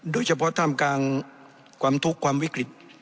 โดยเฉพาะท่ามกลางความทุกข์ความวิกฤต